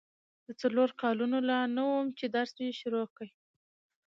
د څلورو کالو لا نه وه چي درس يې شروع کی.